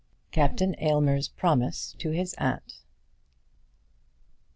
CAPTAIN AYLMER'S PROMISE TO HIS AUNT.